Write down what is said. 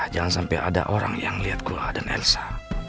jangan sampai ada orang yang lihat gue dan elsa